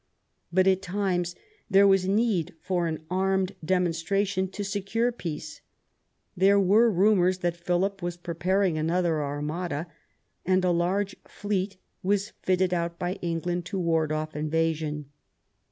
But, at times, there was need for an armed demonstration to secure peace. There were rumours that Philip was preparing another Armada, and a large fleet was fitted out by England 278 QUEEN ELIZABETH, to ward off invasion.